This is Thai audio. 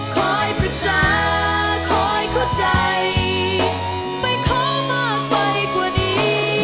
คอยปรึกษาคอยเข้าใจไม่ขอมากไปกว่านี้